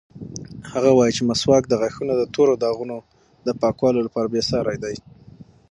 هغه وایي چې مسواک د غاښونو د تورو داغونو د پاکولو لپاره بېساری دی.